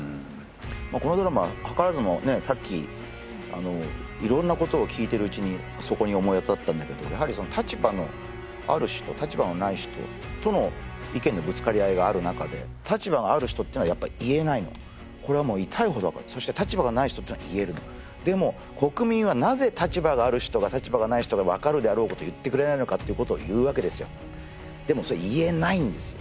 このドラマ図らずもさっきいろんなことを聞いてるうちにそこに思い当たったんだけどやはり立場のある人立場のない人との意見のぶつかり合いがある中で立場がある人っていうのはやっぱ言えないのこれはもう痛いほど分かるそして立場がない人っていうのは言えるのでも国民はなぜ立場がある人が立場がない人が分かるであろうことを言ってくれないのかっていうことを言うわけですよでもそれは言えないんですよ